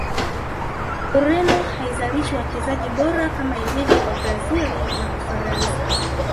Ureno haizalishi wachezaji bora kama ilivyo kwa brazil na ufaransa